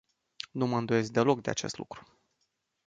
Nu mă îndoiesc deloc de acest lucru.